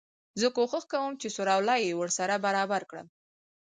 زه کوښښ کوم چي سر او لای يې ورسره برابر کړم.